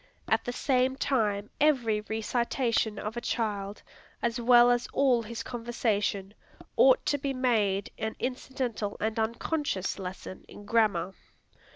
At the same time every recitation of a child, as well as all his conversation, ought to be made an incidental and unconscious lesson in grammar.